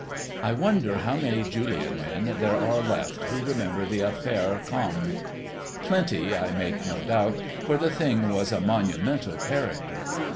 I wonder how many Julien men there are left who remember the affaire Camme? Plenty, I make no doubt, for the thing was a monumental character.